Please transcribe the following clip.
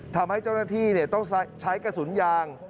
ทำให้เจ้าหน้าที่ต้องใช้กระสุนยาง